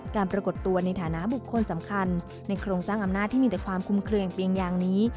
ปรากฏตัวในฐานะบุคคลสำคัญในโครงสร้างอำนาจที่มีแต่ความคุ้มเครืองเพียงยางนี้